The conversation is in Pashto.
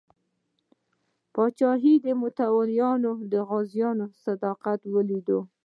د پاچاهۍ متولیانو د غازیانو صداقت ولیدو.